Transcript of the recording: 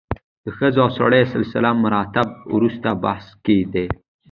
د ښځو او سړو سلسله مراتب وروسته بحث کې دي.